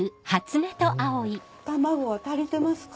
卵は足りてますか？